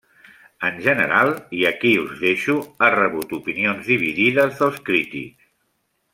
En general, i aquí us deixo ha rebut opinions dividides dels crítics.